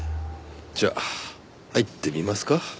じゃあ入ってみますか？